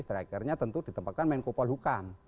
strikernya tentu ditempatkan menko polhukam